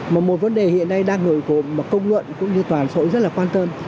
mà một vấn đề hiện nay đang người công luận cũng như toàn số rất là quan tâm